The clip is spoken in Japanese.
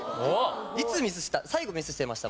いつミスした？